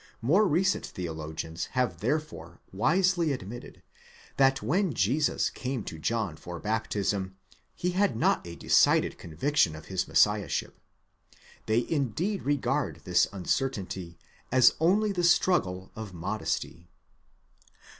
More recent theologians have therefore wisely admitted, that when Jesus came to John for baptism, he 'had not a decided conviction of his Messiahship.2 They indeed regard this uncertainty as only the struggle of modesty.